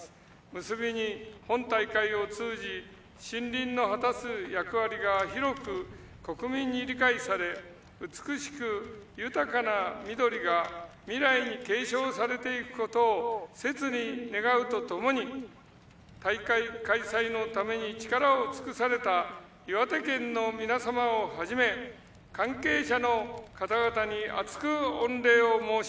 結びに本大会を通じ森林の果たす役割が広く国民に理解され美しく豊かな緑が未来に継承されていくことを切に願うとともに大会開催のために力を尽くされた岩手県の皆様をはじめ関係者の方々に厚く御礼を申し上げご挨拶といたします。